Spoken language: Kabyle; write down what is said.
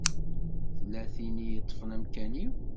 Tella tin i yeṭṭfen amkan-iw.